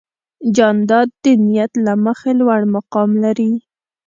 جانداد د نیت له مخې لوړ مقام لري.